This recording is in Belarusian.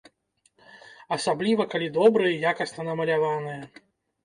Асабліва калі добра і якасна намаляваныя.